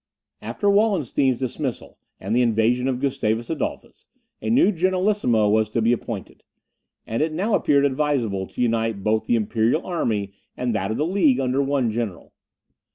After Wallenstein's dismissal, and the invasion of Gustavus Adolphus, a new generalissimo was to be appointed; and it now appeared advisable to unite both the imperial army and that of the League under one general.